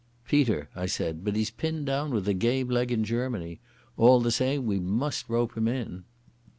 "Peter," I said. "But he's pinned down with a game leg in Germany. All the same we must rope him in."